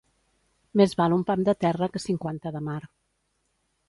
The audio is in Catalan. Més val un pam de terra que cinquanta de mar.